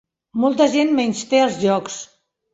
Molta gent menysté els jocs.